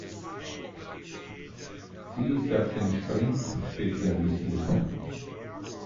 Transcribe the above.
Sie ist auf den Sprint spezialisiert.